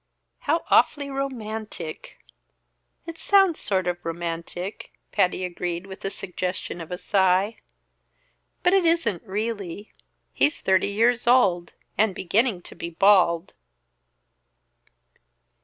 "How awfully romantic!" "It sounds sort of romantic," Patty agreed with the suggestion of a sigh. "But it isn't really. He's thirty years old, and beginning to be bald."